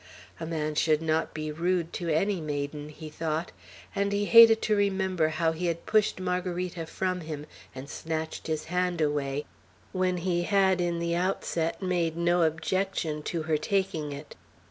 "A man should not be rude to any maiden," he thought; and he hated to remember how he had pushed Margarita from him, and snatched his hand away, when he had in the outset made no objection to her taking it.